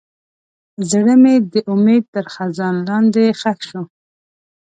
زړه مې د امید تر خزان لاندې ښخ شو.